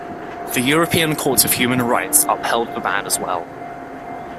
The European Court of Human Rights upheld the ban as well.